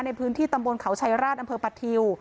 ในพื้นที่ตำบลเขาชัยราชอำเภอปะทิว